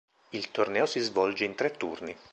Il torneo si svolge in tre turni.